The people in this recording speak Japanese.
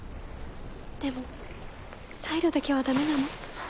でもサイロだけはダメなの。